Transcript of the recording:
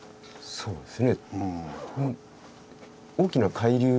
そうです。